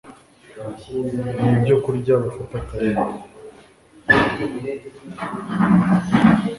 nibyo kurya bafata kare